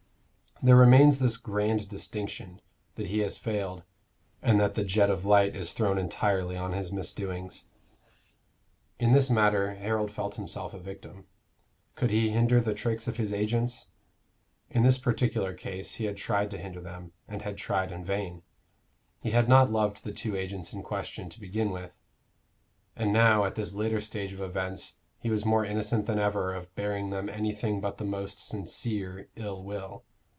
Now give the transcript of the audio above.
There remains this grand distinction, that he has failed, and that the jet of light is thrown entirely on his misdoings. In this matter Harold felt himself a victim. Could he hinder the tricks of his agents? In this particular case he had tried to hinder them, and had tried in vain. He had not loved the two agents in question, to begin with; and now at this later stage of events he was more innocent than ever of bearing them anything but the most sincere ill will.